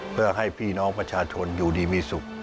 เพื่อให้พี่น้องประชาชนอยู่ดีมีสุข